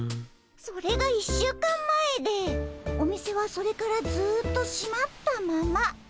それが１週間前でお店はそれからずっとしまったまま。